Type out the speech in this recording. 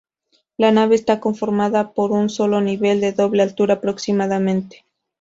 La nave está conformada por un solo nivel, de doble altura aproximadamente.